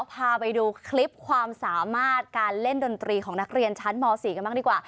พาไปดูคลิปความสามารถการเล่นดนตรีของนักเรียนชั้นม๔กันบ้างดีกว่า